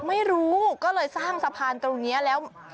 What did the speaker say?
ไม่รู้ก็เลยสร้างสะพานตรงนี้แล้ว